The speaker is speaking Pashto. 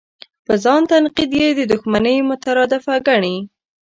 په ځان تنقید یې د دوښمنۍ مترادفه ګڼي.